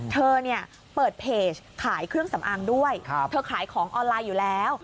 เธอเนี่ยเปิดเพจขายเครื่องสำอางด้วยเธอขายของออนไลน์อยู่แล้ว